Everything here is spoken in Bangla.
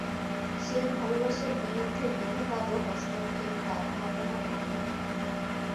সেই ভালোবাসার বিরুদ্ধে বিধাতারও হস্তক্ষেপ তার কল্পনার অতীত।